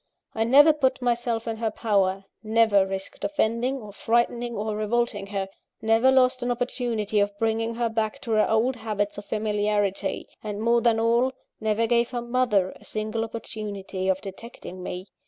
I never put myself in her power, never risked offending, or frightening, or revolting her; never lost an opportunity of bringing her back to her old habits of familiarity; and, more than all, never gave her mother a single opportunity of detecting me.